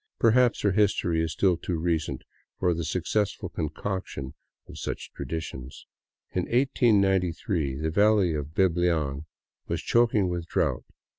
Perhaps her history is still too recent for the successful concoction of such tra ditions. In 1893 the valley of Biblian was choking with drought.